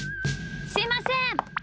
すいません！